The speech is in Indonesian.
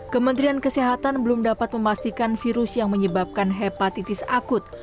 kementerian kesehatan belum dapat memastikan virus yang menyebabkan hepatitis akut